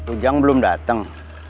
ujang belum datang